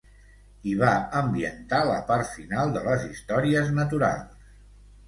Hi va ambientar la part final de Les històries naturals.